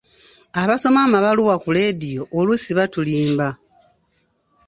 Abasoma amabaluwa ku leediyo oluusi batulimba.